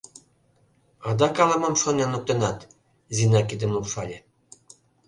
— Адак ала-мом шонен луктынат, — Зина кидым лупшале.